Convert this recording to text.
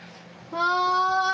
はい。